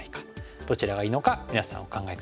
どちらがいいのか皆さんお考え下さい。